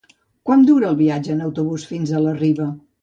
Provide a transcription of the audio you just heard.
Quant dura el viatge en autobús fins a la Riba?